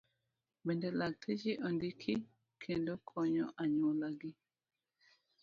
Bende, lakteche ondiki kendo konyo anyuola gi.